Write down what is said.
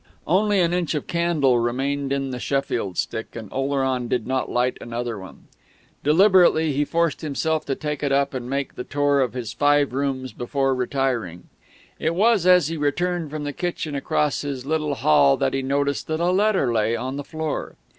Only an inch of candle remained in the Sheffield stick, and Oleron did not light another one. Deliberately he forced himself to take it up and to make the tour of his five rooms before retiring. It was as he returned from the kitchen across his little hall that he noticed that a letter lay on the floor.